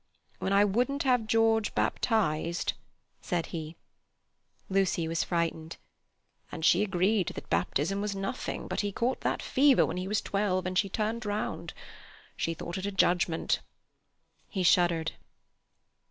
"When I wouldn't have George baptized," said he. Lucy was frightened. "And she agreed that baptism was nothing, but he caught that fever when he was twelve and she turned round. She thought it a judgement." He shuddered.